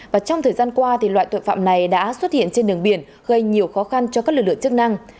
và trong thời gian qua loại tội phạm này đã xuất hiện trên đường biển gây nhiều khó khăn cho các lực lượng chức năng